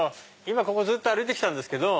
今ここずっと歩いて来たんですけど。